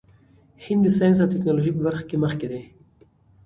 هند د ساینس او ټیکنالوژۍ په برخه کې مخکې دی.